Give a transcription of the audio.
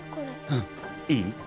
うんいい？